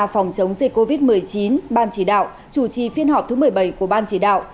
phòng chống dịch covid một mươi chín ban chỉ đạo chủ trì phiên họp thứ một mươi bảy của ban chỉ đạo